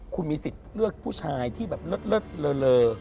คุณมีสิทธิ์เลือกผู้ชายที่แบบเลิศเลอ